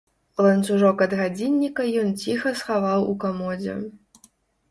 Ланцужок ад гадзінніка ён ціха схаваў у камодзе.